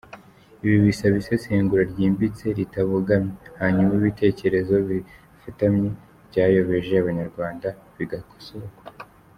Ibi bisaba isesengura ryimbitse ritabogamye hanyuma ibitekerezo bifutamye byayobeje Abanyarwanda bigakosorwa.